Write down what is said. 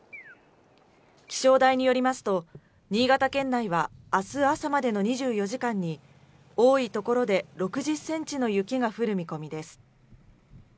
気象台によりますと、新潟県内は明日朝までの２４時間に多い所で６０センチの雪が降る見込みです。